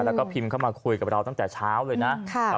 แล้วก็พิมพ์เข้ามาคุยกับเราตั้งแต่เช้าเลยนะ